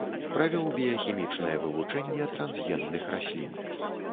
Правёў біяхімічнае вывучэнне трансгенных раслін.